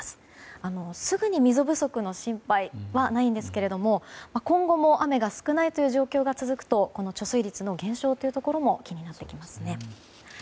すぐに水不足の心配はないんですけど今後も雨が少ないという状況が続くと貯水率の減少も気になってきますね。